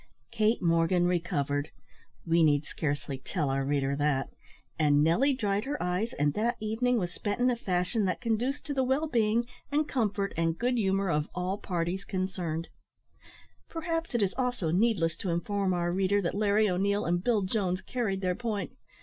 Kate Morgan recovered we need scarcely tell our reader that and Nelly dried her eyes, and that evening was spent in a fashion that conduced to the well being, and comfort, and good humour of all parties concerned. Perhaps it is also needless to inform our reader that Larry O'Neil and Bill Jones carried their point.